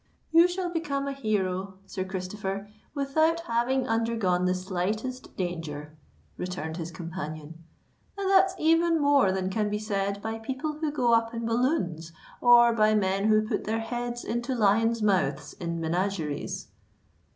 "You shall become a hero, Sir Christopher, without having undergone the slightest danger," returned his companion; "and that's even more than can be said by people who go up in balloons or by men who put their heads into lions' mouths in menageries."